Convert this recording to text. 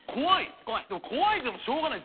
怖いでもしょうがない。